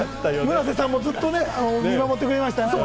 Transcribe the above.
村瀬さんも見守ってくれまし